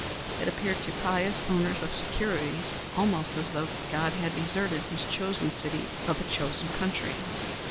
It appeared to pious owners of securities almost as though God had deserted his chosen city of a chosen country.